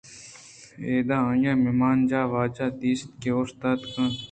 اِدا آئی ءَ مہمان جاہءِ واجہ دیست کہ اوشتاتگ اَت